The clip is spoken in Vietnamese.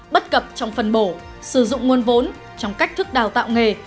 bất cập trong phân bổ sử dụng nguồn vốn trong cách thức đào tạo nghề